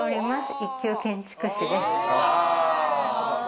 一級建築士です。